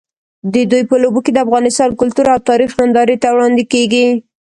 د دوی په لوبو کې د افغانستان کلتور او تاریخ نندارې ته وړاندې کېږي.